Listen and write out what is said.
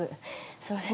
すいません。